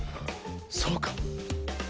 そうか！